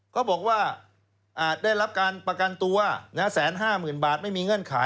เขาบอกว่าอาจได้รับการประกันตัว๑๕๐๐๐บาทไม่มีเงื่อนไข